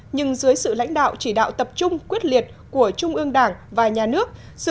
nhưng dưới sự lãnh đạo chỉ đạo tập trung quyết liệt của trung ương đảng và nhà nước